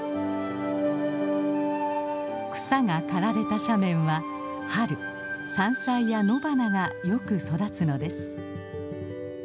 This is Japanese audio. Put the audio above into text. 草が刈られた斜面は春山菜や野花がよく育つのです。